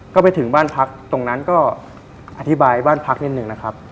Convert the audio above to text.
ก็ไปถึงบ้านพักตรงนั้นก็อธิบายบ้านพักนิดนึงนะครับ